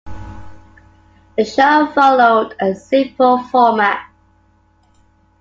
The show followed a simple format.